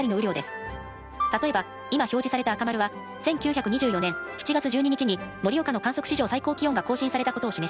例えば今表示された赤丸は１９２４年７月１２日に盛岡の観測史上最高気温が更新されたことを示し